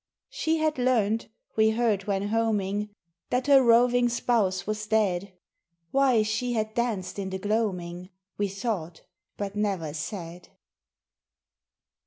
She had learnt (we heard when homing) That her roving spouse was dead; Why she had danced in the gloaming We thought, but never said.